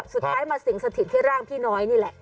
สุดท้ายมาสิงสถิตที่ร่างพี่น้อยนี่แหละ